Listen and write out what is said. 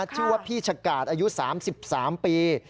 ชื่อว่าพี่ชะกาดอายุ๓๓ปี